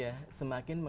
ya itu dia